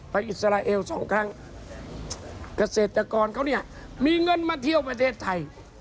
อิสราเอลสองครั้งเกษตรกรเขาเนี่ยมีเงินมาเที่ยวประเทศไทย